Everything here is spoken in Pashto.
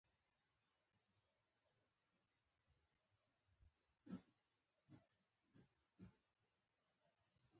ازادي راډیو د د جګړې راپورونه په اړه د ټولنې د ځواب ارزونه کړې.